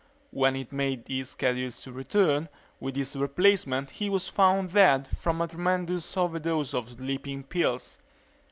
When it made its scheduled return with his replacement he was found dead from a tremendous overdose of sleeping pills.